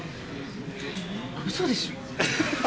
うそでしょ？